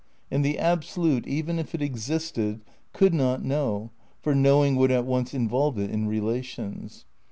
And the Absolute, even if it existed, could not know, for knowing would at once involve it in relations.